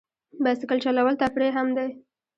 بایسکل چلول تفریح هم دی.